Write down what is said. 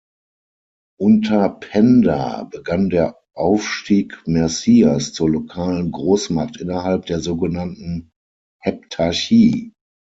Unter Penda begann der Aufstieg Mercias zur lokalen Großmacht innerhalb der sogenannten Heptarchie.